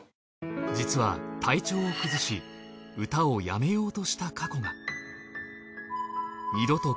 実は体調を崩し歌を辞めようとした過去が。